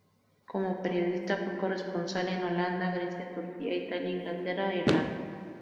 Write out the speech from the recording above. Como periodista fue corresponsal en Holanda, Grecia, Turquía, Italia, Inglaterra e Irlanda.